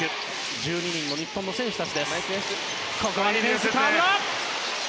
１２人の日本の選手たちです。